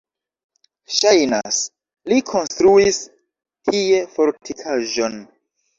Ŝajnas, li konstruis tie fortikaĵon.